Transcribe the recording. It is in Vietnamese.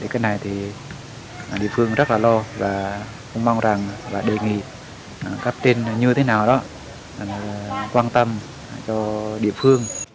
cái này thì địa phương rất là lo và cũng mong rằng và đề nghị các tên như thế nào đó quan tâm cho địa phương